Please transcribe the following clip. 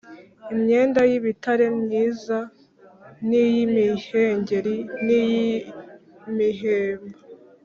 imyenda y’ibitare myiza n’iy’imihengeri n’iy’imihemba,